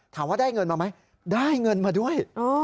ถามว่าได้เงินมาไหมได้เงินมาด้วย